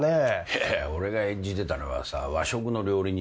いやいや俺が演じてたのはさ和食の料理人でね